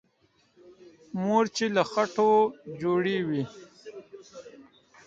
مورچې له خټو جوړې وي.